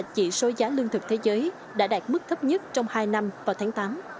chỉ số giá lương thực thế giới đã đạt mức thấp nhất trong hai năm vào tháng tám